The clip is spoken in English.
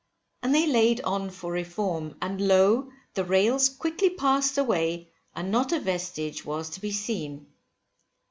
And they laid on for Reform, and lo! the rails quickly passed away, and not a vestige was to be seen.